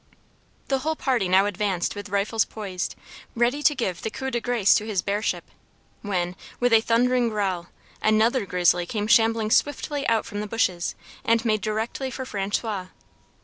The whole party now advanced with rifles poised, ready to give the coup de gráce to his bearship; when, with a thundering growl, another "grizzly" came shambling swiftly out from the bushes, and made directly for François.